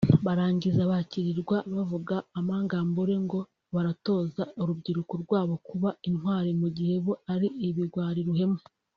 Barangiza bakirirwa bavuga amangambure ngo baratoza urubyiruko rwabo kuba intwari mu gihe bo ari ibigwari ruhenu